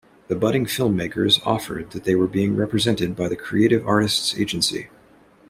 The budding filmmakers offered that they were being represented by the Creative Artists Agency.